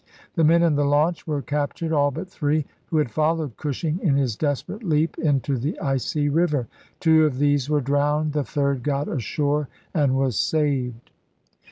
The men in the launch were captured, all but three, who had followed Cushing in his desperate leap into the icy river. Two of these were drowned; the third got ashore and was saved.